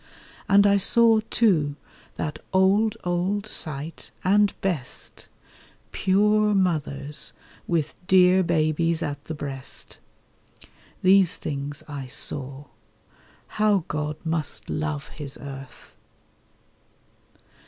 And I saw, too, that old, old sight, and best— Pure mothers, with dear babies at the breast. These things I saw. (How God must love His earth!)